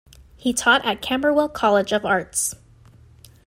He taught at Camberwell College of Arts.